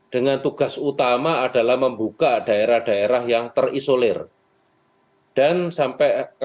dengan tugas utama adalah membuka daerah daerah yang terisolir